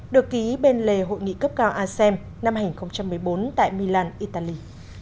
được ký bên lề hội nghị cấp cao asem năm hai nghìn một mươi bốn tại milan italy